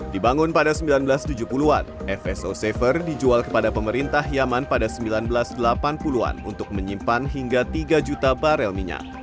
dibangun pada seribu sembilan ratus tujuh puluh an fso safer dijual kepada pemerintah yaman pada seribu sembilan ratus delapan puluh an untuk menyimpan hingga tiga juta barel minyak